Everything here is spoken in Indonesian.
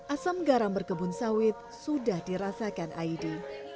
asam garam berkebun sawit sudah dirasakan aidi